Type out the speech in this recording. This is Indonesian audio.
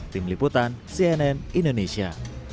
tim liputan cnn indonesia